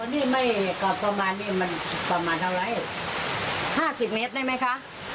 นี่ไม่ก็ประมาณนี้มันประมาณเท่าไรห้าสิบเมตรได้ไหมคะ